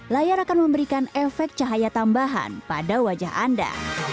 layar akan memberikan efek cahaya tambahan pada wajah anda